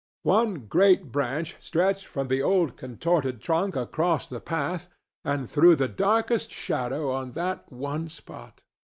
One great branch stretched from the old contorted trunk across the path and threw the darkest shadow on that one spot.